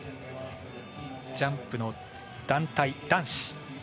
ジャンプの団体男子。